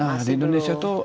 nah di indonesia tuh